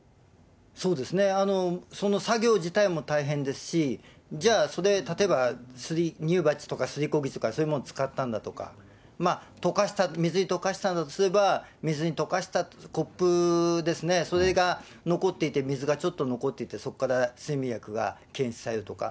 そうですね、その作業自体も大変ですし、じゃあ、それを例えば乳鉢とかすり鉢とかそういうもの使ったんだとか、まあ、水に溶かしたんだとすれば、水に溶かしたコップですね、それが残っていて、水がちょっと残っていて、そこから睡眠薬が検出されるとか。